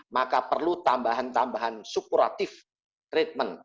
maka perlu tambahan tambahan sukuratif treatment